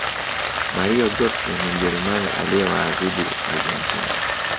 mario gotze ni mjerumani aliyewaathibu argentina